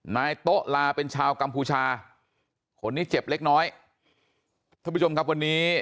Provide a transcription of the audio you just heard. นายโต๊ะลาเป็นชาวกัมพูชาคนนี้เจ็บเล็กน้อยท่านผู้ชมครับวันนี้